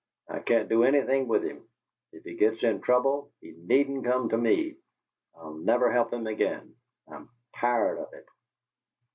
I can't do anything with him. If he gets in trouble, he needn't come to me! I'll never help him again. I'm TIRED of it!"